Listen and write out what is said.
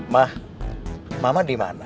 ma mama dimana